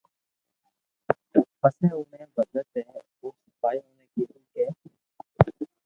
پسو اوڻي ڀگت اي او سپايو ني ڪيدو ڪي